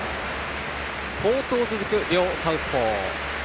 好投続く両サウスポー。